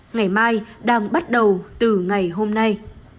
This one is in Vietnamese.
ngày mai đang bắt đầu từ ngày hôm nay